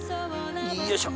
よいしょ！